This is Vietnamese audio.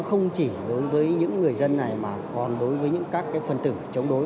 không chỉ đối với những người dân này mà còn đối với những các phần tử chống đối